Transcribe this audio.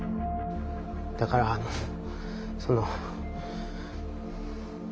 だからあのその。